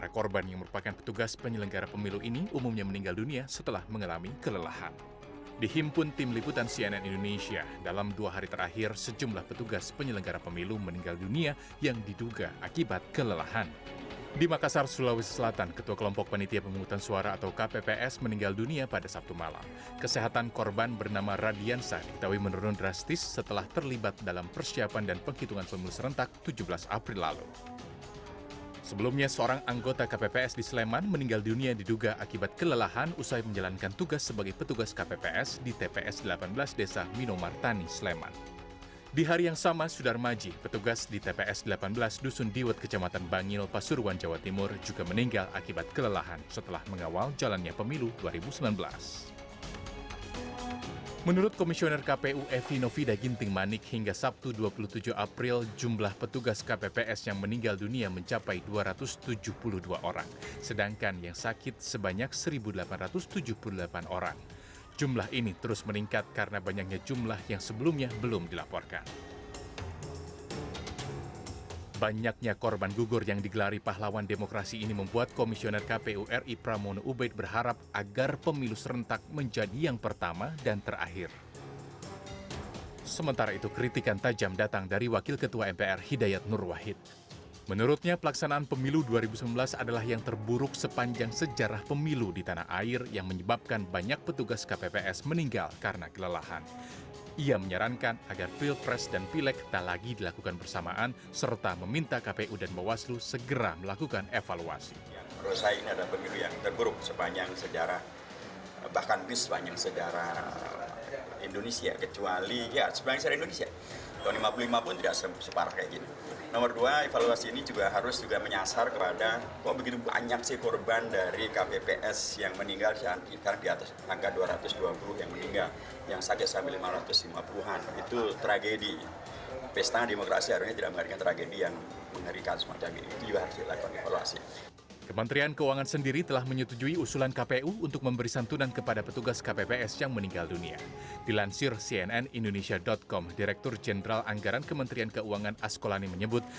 kansir cnnindonesia com direktur jenderal anggaran kementerian keuangan askolani menyebut